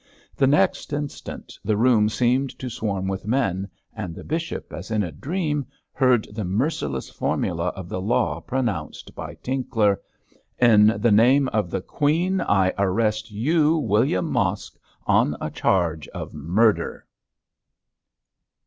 The next instant the room seemed to swarm with men, and the bishop as in a dream heard the merciless formula of the law pronounced by Tinkler, 'In the name of the Queen I arrest you, William Mosk, on a charge of murder.'